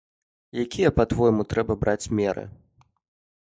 Якія, па-твойму, трэба браць меры?